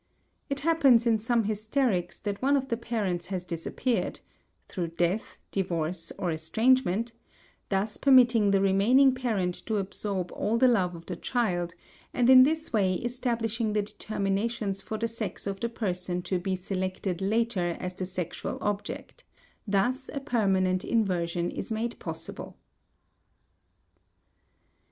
It happens in some hysterics that one of the parents has disappeared (through death, divorce, or estrangement), thus permitting the remaining parent to absorb all the love of the child, and in this way establishing the determinations for the sex of the person to be selected later as the sexual object; thus a permanent inversion is made possible.